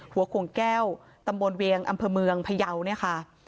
โขงแก้วตำบลเวียงอำเภอเมืองพยาวเนี่ยค่ะ